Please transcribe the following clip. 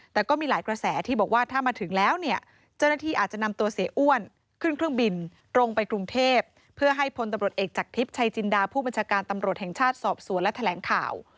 แต่ก็มีหลายกระแสที่บอกว่าถ้ามาถึงแล้วเนี่ยเจ้าหน้าที่อาจจะนำตัวเสียอ้วนขึ้นเครื่องบินตรงไปกรุงเทพเพื่อให้พลตำรวจเอกจากทิพย์ชัยจินดาผู้บัญชาการตำรวจแห่งชาติสอบสวนและแถลงข่าว